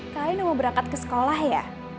kalian mau berangkat ke sekolah ya